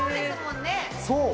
そう！